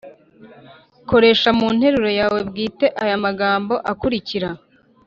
koresha mu nteruro yawe bwite aya magambo akurikira